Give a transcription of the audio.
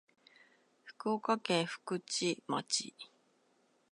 福岡県福智町